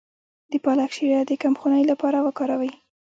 د پالک شیره د کمخونۍ لپاره وکاروئ